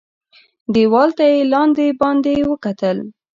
دېوال ته یې لاندي باندي وکتل .